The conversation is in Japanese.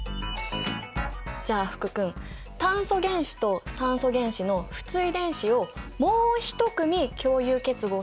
じゃあ福君炭素原子と酸素原子の不対電子をもう一組共有結合させてみたらどう？